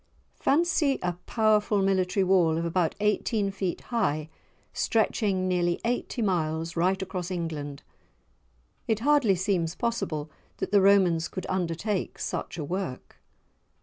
Fancy a powerful military wall of about eighteen feet high stretching nearly eighty miles right across England! It hardly seems possible that the Romans could undertake such a work.